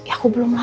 aku belum lapar